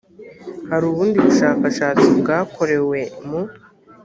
hari ubundi bushakashatsi bwakorewe mu